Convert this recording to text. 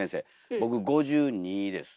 僕５２です。